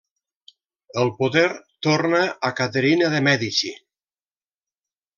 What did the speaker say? El poder torna a Caterina de Mèdici.